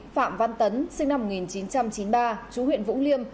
phạm văn tấn sinh năm một nghìn chín trăm chín mươi ba chú huyện vũng liêm